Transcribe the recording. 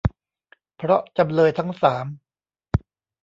เพราะจำเลยทั้งสาม